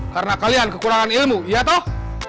karena kalian kekurangan ilmu iya toh